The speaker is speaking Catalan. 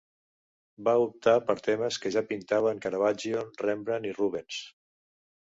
Va optar per temes que ja pintaven Caravaggio, Rembrandt i Rubens.